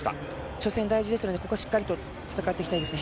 初戦大事ですのでここしっかりと戦っていきたいですね。